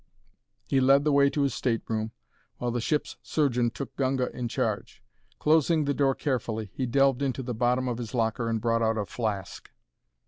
He led the way to his stateroom, while the ship's surgeon took Gunga in charge. Closing the door carefully, he delved into the bottom of his locker and brought out a flask.